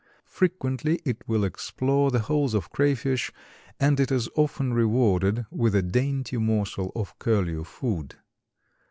Frequently it will explore the holes of crawfish and it is often rewarded with a dainty morsel of curlew food.